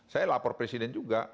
saya lapor presiden juga